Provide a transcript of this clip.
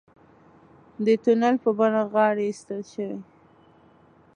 د تونل په بڼه غارې ایستل شوي.